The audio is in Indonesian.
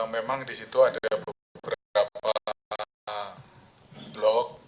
memang di situ ada beberapa blok